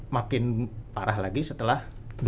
makin parah lagi setelah